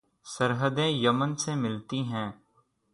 سرحدیں Yemen سے ملتی ہیں